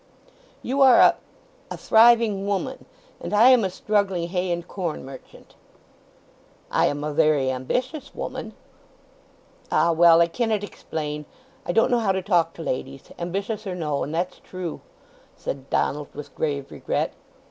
"You are a—a thriving woman; and I am a struggling hay and corn merchant." "I am a very ambitious woman." "Ah, well, I cannet explain. I don't know how to talk to ladies, ambitious or no; and that's true," said Donald with grave regret.